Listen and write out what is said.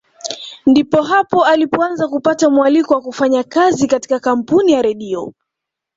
Ndipo hapo alipoanza kupata mwaliko wa kufanya kazi katika kampuni ya Redio